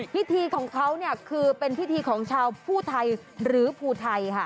พิธีของเขาเนี่ยคือเป็นพิธีของชาวผู้ไทยหรือภูไทยค่ะ